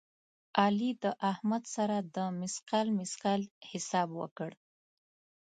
علي د احمد سره د مثقال مثقال حساب وکړ.